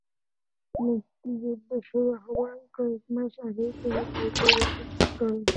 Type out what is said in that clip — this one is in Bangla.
মুক্তিযুদ্ধ শুরু হওয়ার কয়েক মাস আগে তিনি বিয়ে করেন।